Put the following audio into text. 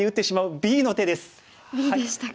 Ｂでしたか。